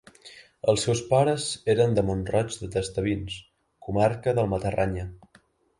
Els seus pares eren de Mont-roig de Tastavins, comarca del Matarranya.